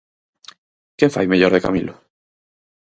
Quen fai mellor de Camilo?